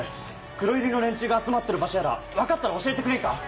黒百合の連中が集まってる場所やら分かったら教えてくれんか？